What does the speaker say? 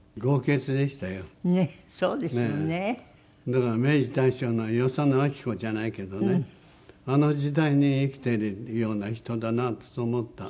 だから明治大正の与謝野晶子じゃないけどねあの時代に生きてるような人だなとそう思った。